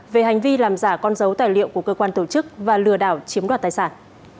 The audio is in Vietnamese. về hành vi làm giả con dấu tài liệu của cơ quan tổ chức và lừa đảo chiếm đoạt tài sản